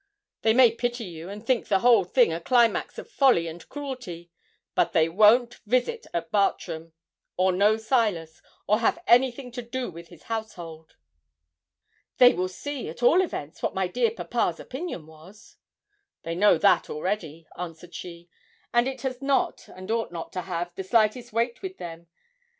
They may pity you, and think the whole thing the climax of folly and cruelty; but they won't visit at Bartram, or know Silas, or have anything to do with his household.' 'They will see, at all events, what my dear papa's opinion was.' 'They know that already,' answered she, 'and it has not, and ought not to have, the slightest weight with them.